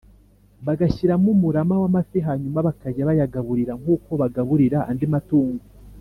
bagashyiramo umurama w’amafi hanyuma bakajya bayagaburira nk’uko bagaburira andi matungo